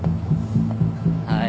はい。